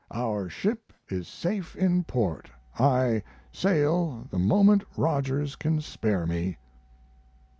Our ship is safe in port. I sail the moment Rogers can spare me."